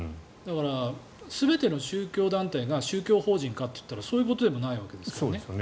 全ての宗教団体が宗教法人かと言ったらそういうことでもないわけですよね。